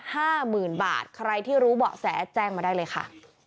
ห้าหมื่นบาทใครที่รู้เบาะแสแจ้งมาได้เลยค่ะ